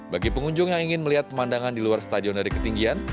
bagi pengunjung yang ingin melihat pemandangan di luar stadion dari ketinggian